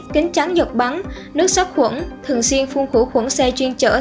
kính trắng dột bắn nước sốt khuẩn